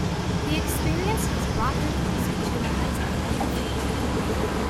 The experience has brought her closer to her husband and her faith.